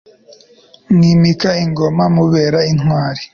Mwimika ingoma Mubera intwari.